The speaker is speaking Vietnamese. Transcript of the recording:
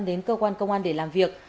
đến cơ quan công an để làm việc